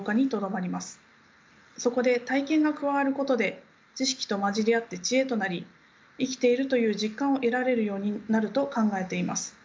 そこで体験が加わることで知識と混じり合って知恵となり生きているという実感を得られるようになると考えています。